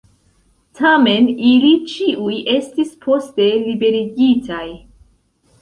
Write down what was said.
Tamen, ili ĉiuj estis poste liberigitaj.